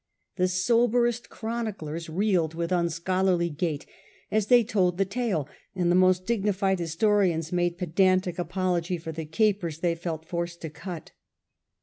The soberest chroniclers reeled with unscholarly gait as they told the tale, and the most dignified historians made pedantic apology for the capers they felt forced to cut.